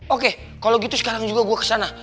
oke kalau gitu sekarang juga gue kesana